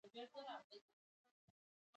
نسجونه څنګه جوړیږي؟